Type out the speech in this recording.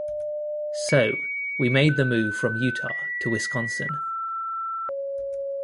So, we made the move from Utah to Wisconsin.